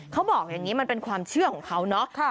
เขาบอกอย่างนี้มันเป็นความเชื่อของเขาเนาะ